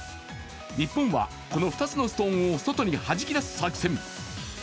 日本はこの２つのストーンを外にはじき出す作戦。